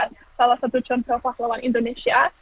salah satu contoh pahlawan indonesia